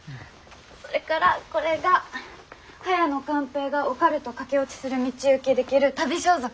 それからこれが早野勘平がおかると駆け落ちする道行きで着る旅装束。